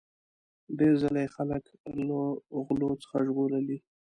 ډیر ځله یې خلک له غلو څخه ژغورلي.